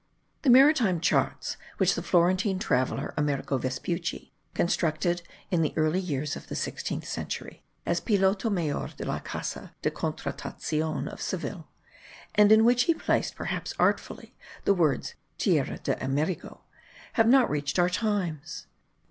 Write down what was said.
The maritime charts which the Florentine traveller, Amerigo Vespucci,* constructed in the early years of the sixteenth century, as Piloto mayor de la Casa de Contratacion of Seville, and in which he placed, perhaps artfully, the words Tierra de Amerigo, have not reached our times.